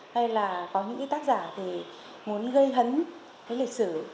hay là có những tác giả muốn gây hấn với lịch sử